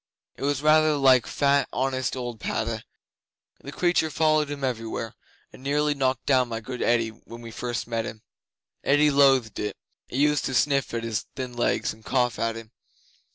It was rather like fat, honest old Padda. The creature followed him everywhere, and nearly knocked down my good Eddi when we first met him. Eddi loathed it. It used to sniff at his thin legs and cough at him.